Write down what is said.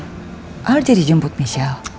apa udah jadi jemput michelle